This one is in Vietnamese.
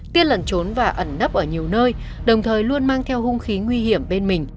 tiên lẩn trốn và ẩn nấp ở nhiều nơi đồng thời luôn mang theo hung khí nguy hiểm bên mình